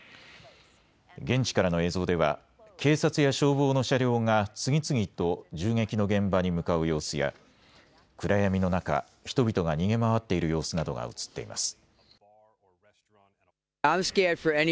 現地からの映像では警察や消防の車両が次々と銃撃の現場に向かう様子や暗闇の中、人々が逃げ回っている様子などが写っています。